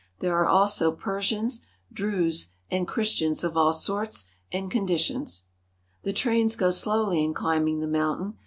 There are also Persians, Druses, and Christians of all sorts and condi tions. The trains go slowly in climbing the mountain.